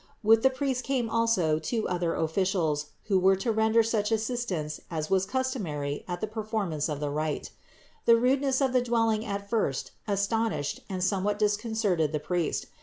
With the priest came also two other officials, who were to render such 446 THE INCARNATION 447 assistance as was customary at the performance of the rite. The rudeness of the dwelling at first astonished and somewhat disconcerted the priest.